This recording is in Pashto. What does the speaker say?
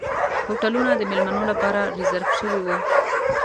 هوټلونه د میلمنو لپاره ریزرف شوي وو.